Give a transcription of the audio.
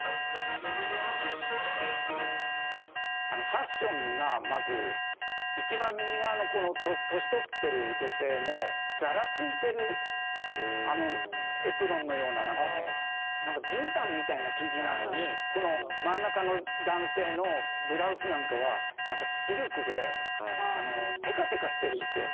ファッションがまず一番右側の年取ってる女性のざらついてるあのエプロンのようななんかじゅうたんみたいな生地なのにこの真ん中の男性のブラウスなんかはなんかシルクでテカテカしてるんですよ。